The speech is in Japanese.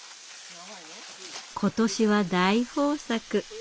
今年は大豊作。